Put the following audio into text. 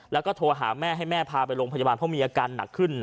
แล้วก็โทรหาแม่ให้แม่พาไปโรงพยาบาลเพราะมีอาการหนักขึ้น